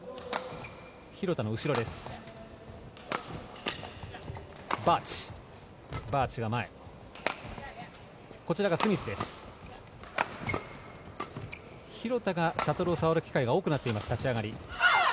廣田がシャトルを触る機会が多くなっている立ち上がり。